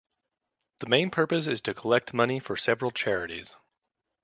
The main purpose is to collect money for several charities.